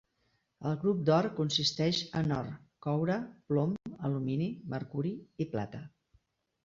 El grup d'or consisteix en or, coure, plom, alumini, mercuri i plata.